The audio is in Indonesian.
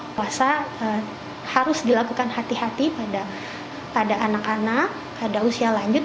puasa harus dilakukan hati hati pada anak anak pada usia lanjut